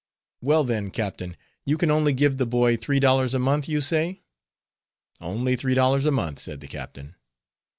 "Well, then, captain, you can only give the boy three dollars a month, you say?" "Only three dollars a month," said the captain.